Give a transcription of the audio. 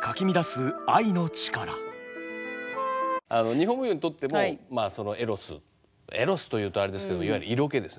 日本舞踊にとってもまあそのエロスエロスというとあれですけどいわゆる色気ですね。